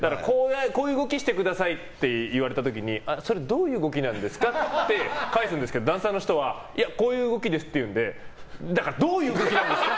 こういう動きしてくださいって言われた時にそれどういう動きなんですかって返すんですけどダンサーの人はいや、こういう動きですっていうんでだからどういう動きなんですか！